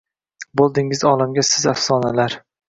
Bo‘ldingiz olamga siz afsonalar